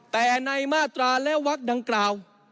แต่ในมาตราและวักดังกล่าว